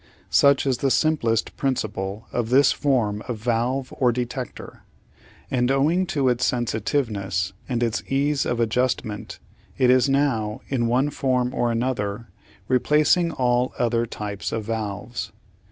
Such is the simplest principle of this form of valve or detector, and owing to its sensitiveness and its ease of adjustment, it is now, in one form or another, replacing all other types of valves.